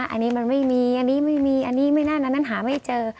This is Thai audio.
อันนี้ไม่มีอันนี้ไม่น่านั้นหาไม่เจอ